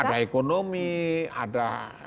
ada ekonomi ada